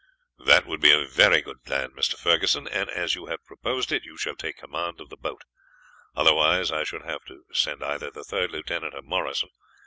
"That would be a very good plan, Mr. Ferguson, and as you have proposed it, you shall take command of the boat; otherwise I should have sent either the third lieutenant or Morrison.